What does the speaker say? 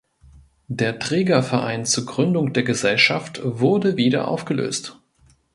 Der Trägerverein zur Gründung der Gesellschaft wurde wieder aufgelöst.